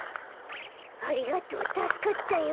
ありがとうたすかったよ。